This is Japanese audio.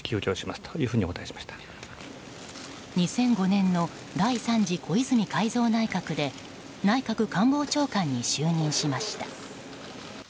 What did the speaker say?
２００５年の第３次小泉改造内閣で内閣官房長官に就任しました。